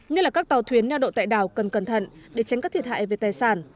như là các tàu thuyền nheo đậu tại đảo cần cẩn thận để tránh các thiệt hại về tài sản